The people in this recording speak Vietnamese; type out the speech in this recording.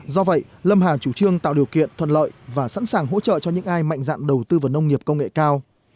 do vậy lâm hà chủ trương tạo điều kiện thuận lợi và sẵn sàng hỗ trợ cho những ai mạnh dạng đầu tư vào nông nghiệp công nghệ cao